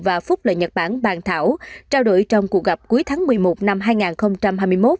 và phúc lợi nhật bản bàn thảo trao đổi trong cuộc gặp cuối tháng một mươi một năm hai nghìn hai mươi một